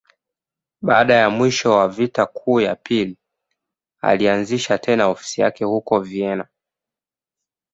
Baada ya mwisho wa Vita Kuu ya Pili, alianzisha tena ofisi yake huko Vienna.